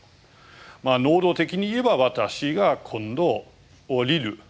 能動的にいえば私が今度下りる。